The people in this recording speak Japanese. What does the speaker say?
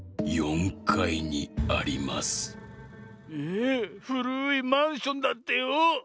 えふるいマンションだってよ。